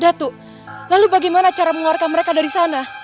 lalu bagaimana cara mengeluarkan mereka dari sana